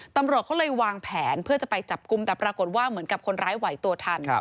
ตำรวจเขาเลยวางแผนเพื่อจะไปจับกลุ่มแต่ปรากฏว่าเหมือนกับคนร้ายไหวตัวทัน